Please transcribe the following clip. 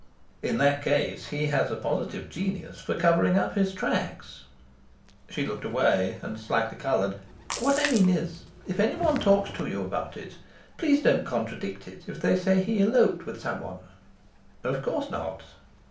"In that case he has a positive genius for covering up his tracks." She looked away and slightly coloured. "What I mean is, if anyone talks to you about it, please don't contradict it if they say he eloped with somebody." "Of course not."